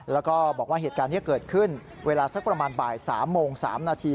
แล้วก็บอกว่าเหตุการณ์นี้เกิดขึ้นเวลาสักประมาณบ่าย๓โมง๓นาที